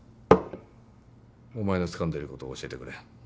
お前のつかんでることを教えてくれ。